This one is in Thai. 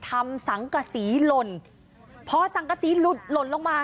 สังกษีหล่นพอสังกษีหลุดหล่นลงมา